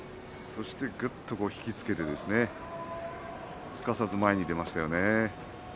そして、ぐっと引き付けてすかさず前に出ましたよね。